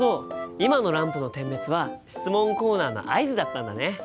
今のランプの点滅は質問コーナーの合図だったんだね。